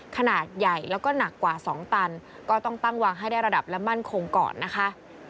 ขนาดใหญ่แล้วก็หนักกว่า๒ตันก็ต้องตั้งวางให้ได้ระดับและมั่นคงก่อนนะคะ